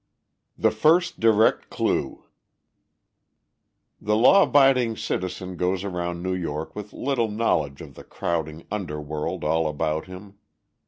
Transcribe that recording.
The First Direct Clue The law abiding citizen goes around New York with little knowledge of the crowding underworld all about him.